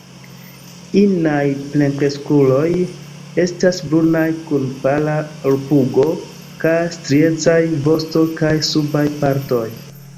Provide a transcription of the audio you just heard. Inaj plenkreskuloj estas brunaj kun pala pugo, kaj striecaj vosto kaj subaj partoj.